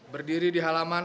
berdiri di halaman